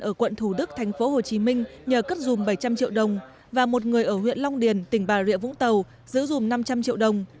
ở quận thủ đức tp hcm nhờ cất dùm bảy trăm linh triệu đồng và một người ở huyện long điền tỉnh bà rịa vũng tàu giữ dùm năm trăm linh triệu đồng